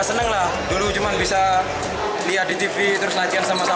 senang lah dulu cuma bisa lihat di tv terus latihan sama sama